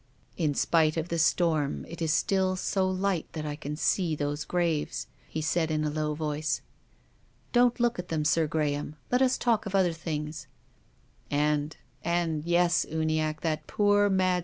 " In spite of the storm it is still so light that I can see tiiosc graves," he said in a low voice. " Don't look at them. Sir Graham. Let us talk of other things." " And — and — yes, Uniackc, that poor, mac!